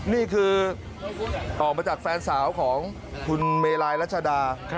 นี่คือออกมาจากแฟนสาวของคุณเมลายรัชดา